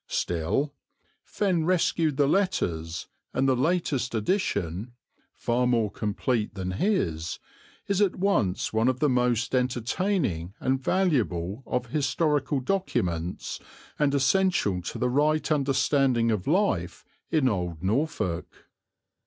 Still, Fenn rescued the letters, and the latest edition far more complete than his is at once one of the most entertaining and valuable of historical documents and essential to the right understanding of life in old Norfolk.